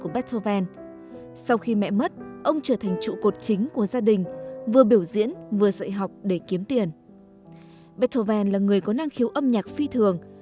beethoven là người có năng khiếu âm nhạc phi thường